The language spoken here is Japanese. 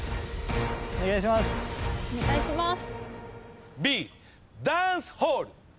お願いします。